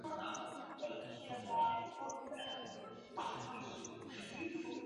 沙瓦讷勒维龙是瑞士联邦西部法语区的沃州下设的一个镇。